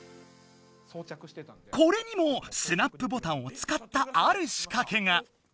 これにもスナップボタンを使ったあるしかけが。